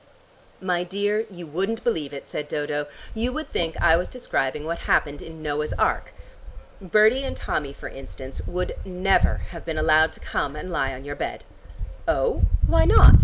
"My dear, you wouldn't believe it," said Dodo; "you would think I was describing what happened in Noah's Ark. Bertie and Tommy, for instance, would never have been allowed to come and lie on your bed." "Oh, why not?"